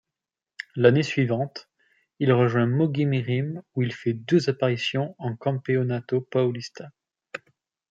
L'année suivante, il rejoint Mogi Mirim, où il fait deux apparitions en Campeonato Paulista.